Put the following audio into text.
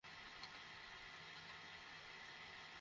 যাত্রীদের দৃষ্টি আকর্ষণ করছি।